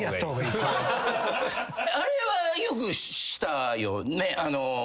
あれはよくしたよ。